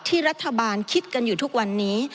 ที่รัฐบาลคิดกันอยู่ทุกวันนี้